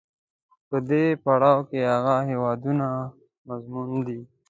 په دې پړاو کې هغه هېوادونه مصون دي.